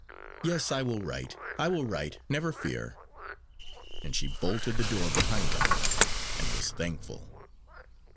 "Yes, I will write; I will write, never fear!" and she bolted the door behind him, and was thankful.